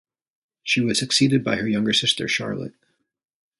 She was succeeded by her younger sister, Charlotte.